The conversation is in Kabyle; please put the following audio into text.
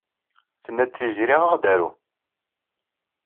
Tenna-d Tiziri ad aɣ-d-taru.